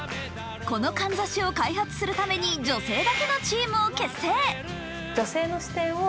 このかんざしを開発するために女性だけのチームを結成。